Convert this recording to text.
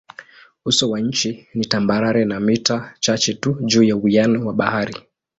Uso wa nchi ni tambarare na mita chache tu juu ya uwiano wa bahari.